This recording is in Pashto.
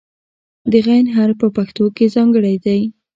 د "غ" حرف په پښتو کې ځانګړی دی.